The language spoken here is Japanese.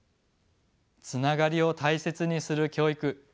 つながりを大切にする教育。